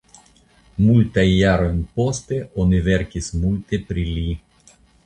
Multajn jarojn poste oni verkis multe pri li.